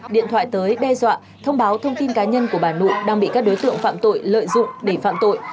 điện thoại tới đe dọa thông báo thông tin cá nhân của bà nội đang bị các đối tượng phạm tội lợi dụng để phạm tội